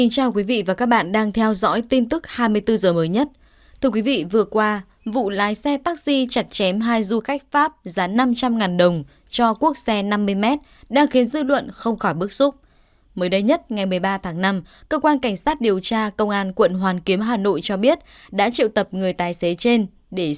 các bạn hãy đăng ký kênh để ủng hộ kênh của chúng mình nhé